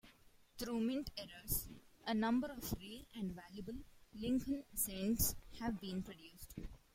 Through mint errors, a number of rare and valuable Lincoln Cents have been produced.